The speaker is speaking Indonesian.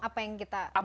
apa yang kita butuhkan